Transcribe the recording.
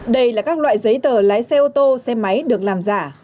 đây là các loại giấy tờ lái xe ô tô xe máy được làm giả